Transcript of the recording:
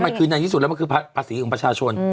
มันคือในที่สุดแล้วมันคือภาษีของประชาชน